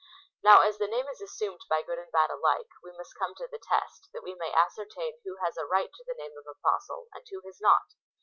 Now, as the name is assumed by good and bad alike, we must come to the test, that we may ascertain who has a right to the name of Apostle, and who has not.